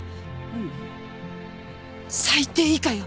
ううん最低以下よ。